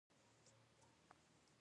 په زحمت برکت وي.